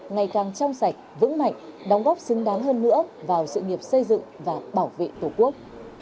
ngày càng trong sạch vững mạnh đóng góp xứng đáng hơn nữa vào sự nghiệp xây dựng và bảo vệ tổ quốc